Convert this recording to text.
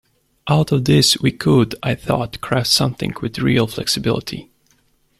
Out of this we could, I thought, craft something with real flexibility.